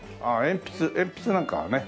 鉛筆なんかはね。